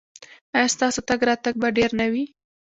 ایا ستاسو تګ راتګ به ډیر نه وي؟